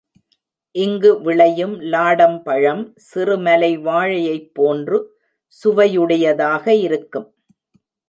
இங்கு விளையும் லாடம் பழம், சிறு மலை வாழையைப் போன்று சுவையுடையதாக இருக்கும்.